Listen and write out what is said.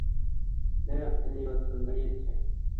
জানেন আপনি, ও নির্বাচনে দাঁড়িয়েছে, রাজিব গান্ধীর বিপক্ষে।